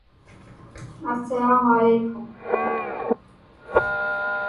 Mimicry is a common survival strategy in nature.